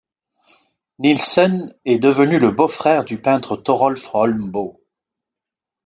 Nilssen est devenu le beau-frère du peintre Thorolf Holmboe.